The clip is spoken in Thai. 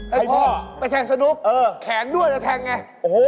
ให้พ่อใช้แขนสนุกแขนนวนจะแทงไง